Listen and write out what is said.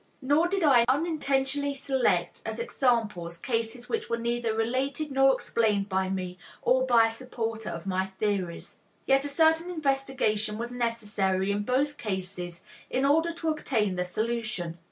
Nor did I unintentionally select as examples cases which were neither related nor explained by me or by a supporter of my theories. Yet a certain investigation was necessary in both cases in order to obtain the solution.